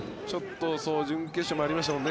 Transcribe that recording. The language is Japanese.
準決勝もありましたもんね。